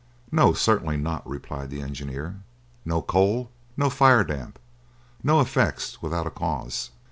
"No, certainly not!" replied the engineer. "No coal, no fire damp. No effects without a cause."